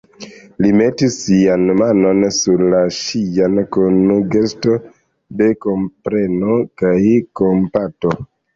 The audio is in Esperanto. Li metis sian manon sur la ŝian kun gesto de kompreno kaj kompato.